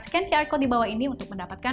scan qr code di bawah ini untuk mendapatkan